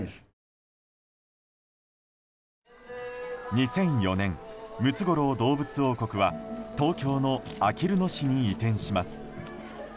２００４年ムツゴロウ動物王国は東京のあきる野市に移転します。